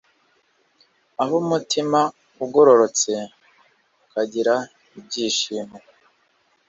ab’umutima ugororotse bakagira ibyishimo